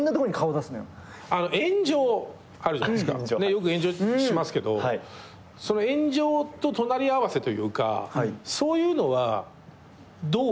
よく炎上しますけど炎上と隣り合わせというかそういうのはどう思ってる？